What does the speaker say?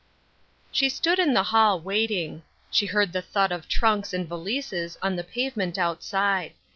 ;HE stood in the hall, waiting. She heard the thud of trunks and valises on the pavement outside.